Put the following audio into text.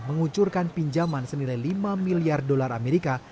mengucurkan pinjaman senilai lima miliar dolar amerika